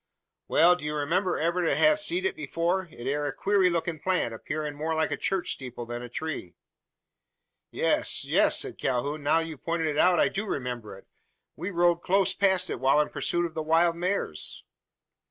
"Wal; do you remember ever to hev seed it afore? It air a queery lookin' plant, appearin' more like a church steeple than a tree." "Yes yes!" said Calhoun. "Now you've pointed it out, I do remember it. We rode close past it while in pursuit of the wild mares?"